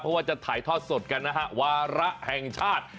เพราะว่าจะถ่ายทอดสดกันนะฮะวาระแห่งชาติ